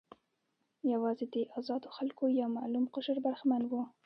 یوازې د آزادو خلکو یو معلوم قشر برخمن و.